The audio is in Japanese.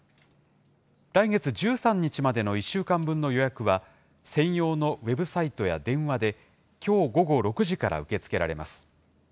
来月１３日までの１週間分の予約は、専用のウェブサイトや電話できょう午後６時から受け付けられます。